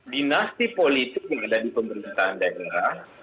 dinasti politik yang ada di pemerintahan daerah